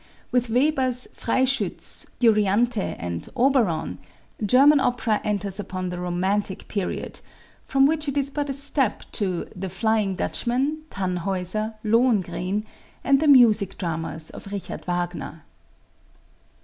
With Weber's "Freischütz," "Euryanthe" and "Oberon," German opera enters upon the romantic period, from which it is but a step to the "Flying Dutchman," "Tannhäuser," "Lohengrin" and the music dramas of Richard Wagner.